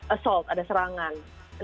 assault ada serangan